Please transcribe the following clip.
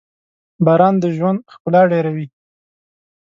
• باران د ژوند ښکلا ډېروي.